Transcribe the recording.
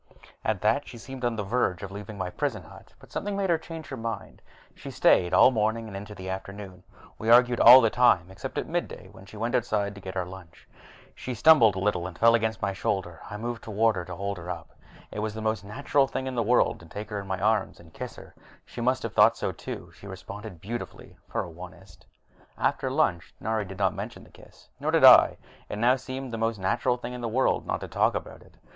At that, she seemed on the verge of leaving my prison hut, but something made her change her mind. She stayed all morning and on into the afternoon. We argued all the time, except at midday, when she went outside to get our lunch. She stumbled a little and fell half against my shoulder. I moved toward her to hold her up, and it was the most natural thing in the world to take her in my arms and kiss her. She must have thought so, too; she responded beautifully for an Onist. After lunch, Nari did not mention the kiss, nor did I. It now seemed the most natural thing in the world not to talk about it.